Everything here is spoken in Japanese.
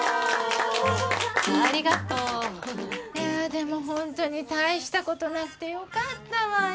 ありがとういやでもホントに大したことなくてよかったわよ